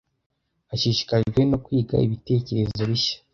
Ashishikajwe no kwiga ibitekerezo bishya.